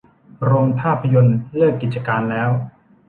โรงภาพยนตร์เลิกกิจการแล้ว